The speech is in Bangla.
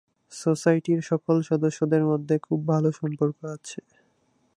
সোসাইটির সকল সদস্যদের মধ্যে খুব ভালো সম্পর্ক আছে।